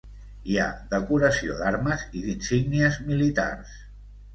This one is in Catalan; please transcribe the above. Hi ha decoració d'armes i d'insígnies militars.